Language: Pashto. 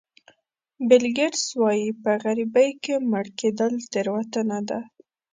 بیل ګېټس وایي په غریبۍ کې مړ کېدل تېروتنه ده.